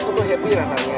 kota tuh happy rasanya